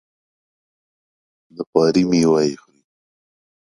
د خواري میوه یې خوري.